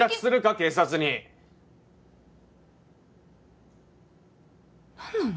警察に何なの？